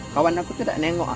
kawan aku tuh nggak nengok